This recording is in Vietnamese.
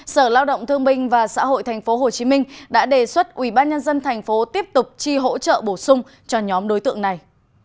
sở lao động thương binh và xã hội tp hcm đã đề xuất ubnd tp tiếp tục chi hỗ trợ bổ sung cho nhóm đối tượng này